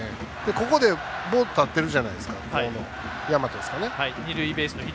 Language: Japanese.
ここで、ぼーっと立ってるじゃないですか大和ですかね。